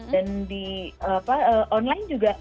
dan di online juga